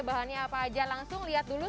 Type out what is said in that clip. bahannya apa aja langsung lihat dulu